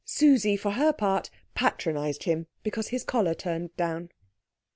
Susie, for her part, patronised him because his collar turned down.